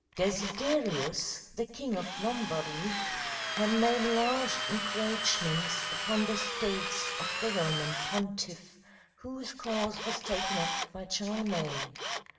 Desiderius, the king of Lombardy, had made large encroachments upon the states of the Roman pontiff, whose cause was taken up by Charlemagne.